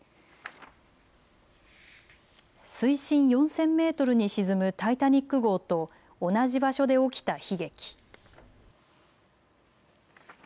水深４０００メートルに沈むタイタニック号と同じ場所で起きた悲劇。